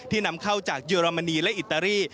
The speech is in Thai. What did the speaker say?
นำเข้าจากเยอรมนีและอิตาลี